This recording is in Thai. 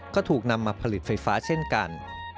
ก็ถูกนำมาผลิตไฟฟ้าเช่นกัน